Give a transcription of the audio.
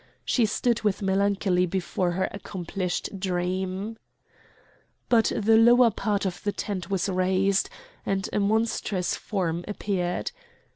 She stood with melancholy before her accomplished dream. But the lower part of the tent was raised, and a monstrous form appeared.